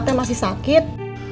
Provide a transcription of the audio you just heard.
mata masih sakit